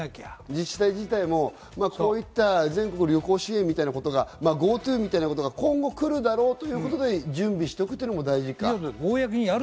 自治体自体も全国旅行支援みたいなことがＧｏＴｏみたいなことが今後、来るだろうということで準備しておかなければ。